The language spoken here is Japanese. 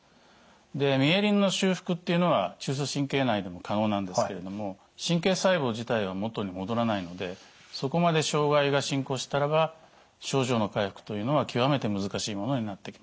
でミエリンの修復っていうのは中枢神経内でも可能なんですけれどもそこまで傷害が進行したらば症状の回復というのは極めて難しいものになってきます。